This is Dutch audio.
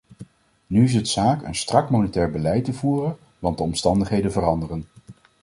Nu is het zaak een strak monetair beleid te voeren, want de omstandigheden veranderen.